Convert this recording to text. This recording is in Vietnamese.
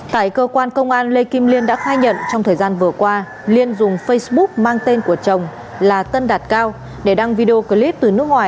tại cơ quan công an lê kim liên đã khai nhận trong thời gian vừa qua liên dùng facebook mang tên của chồng là tân đạt cao để đăng video clip từ nước ngoài